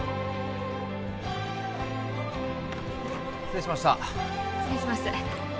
失礼しました失礼します